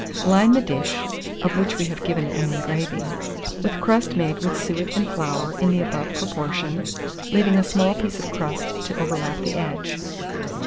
Line the dish (of which we have given an engraving) with crust made with suet and flour in the above proportion, leaving a small piece of crust to overlap the edge.